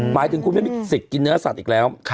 หมายถึงคุณไม่มีสิทธิ์กินเนื้อสัตว์อีกแล้ว